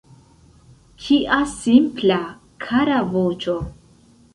Kia simpla, kara voĉo!